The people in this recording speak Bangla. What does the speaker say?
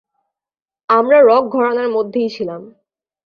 আমরা রক ঘরানার মধ্যেই ছিলাম।